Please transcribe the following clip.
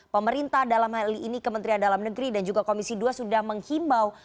pemerintah dalam hal ini kementerian dalam negeri dan juga komisi dua sudah menghimbau